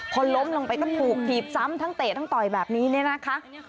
พอล้มลงไปก็ถูกถีบซ้ำทั้งเตะทั้งต่อยแบบนี้เนี่ยนะคะ